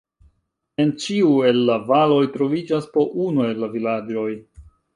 En ĉiu el la valoj troviĝas po unu el la vilaĝoj.